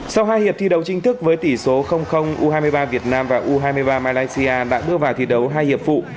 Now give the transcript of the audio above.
sau hai hiệp thi đấu chính thức với tỷ số u hai mươi ba việt nam và u hai mươi ba malaysia đã đưa vào thi đấu hai hiệp vụ